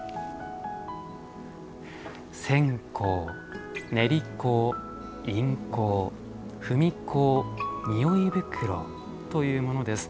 線香、煉香、印香、文香匂い袋というものです。